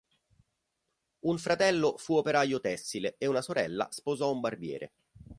Un fratello fu operaio tessile e una sorella sposò un barbiere.